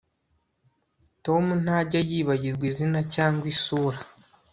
Tom ntajya yibagirwa izina cyangwa isura